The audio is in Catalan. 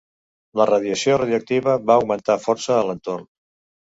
La radiació radioactiva va augmentar força a l'entorn.